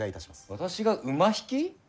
私が馬引き？